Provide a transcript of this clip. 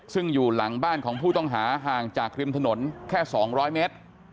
ซึ่งอยู่หลังบ้านของผู้ต้องหาห่างจากริมถนนแค่๒๐๐เมตร